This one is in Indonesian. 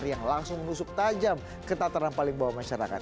yang langsung menusuk tajam ketatanan paling bawah masyarakat